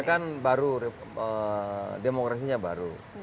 ini kan baru demokrasinya baru